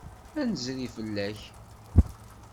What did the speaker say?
Ad d-nezri fell-ak.